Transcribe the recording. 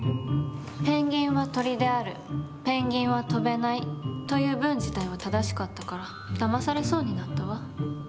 「ペンギンは鳥である」「ペンギンは飛べない」という文自体は正しかったからだまされそうになったわ。